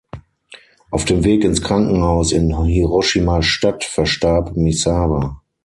Auf dem Weg ins Krankenhaus in Hiroshima Stadt verstarb Misawa.